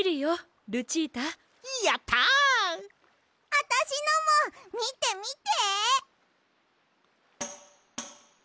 あたしのもみてみて！